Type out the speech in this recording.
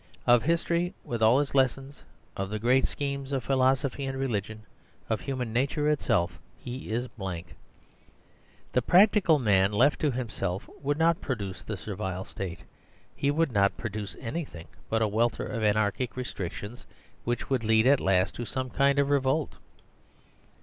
Of history with all its lessons ; of the great schemes of philosophy and religion, of human nature itself he is blank. The Practical Man left to himself would not pro duce the Servile State. He would not produce any thingbutawelter of anarchic restrictions which would lead at last to some kind of revolt.